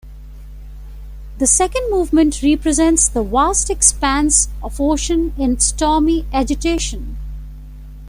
The second movement represents the vast expanse of ocean in stormy agitation.